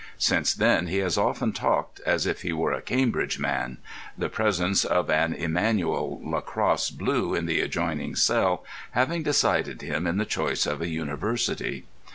Since then he has often talked as if he were a Cambridge man; the presence of an Emmanuel lacrosse blue in the adjoining cell having decided him in the choice of a university.